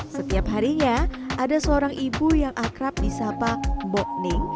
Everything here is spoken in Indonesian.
setiap harinya ada seorang ibu yang akrab di sapa mbokning